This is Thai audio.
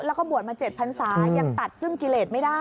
แล้วก็บวชมา๗พันศายังตัดซึ่งกิเลสไม่ได้